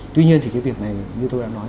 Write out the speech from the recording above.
tuy nhiên thì cái việc này như tôi đã nói